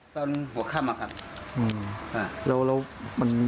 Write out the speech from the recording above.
ตอนหัวข้ำครับ